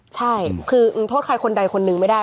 ใช่คือมึงโทษใครคนใดคนหนึ่งไม่ได้